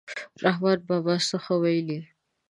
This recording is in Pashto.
رحمان بابا څه ښه ویلي.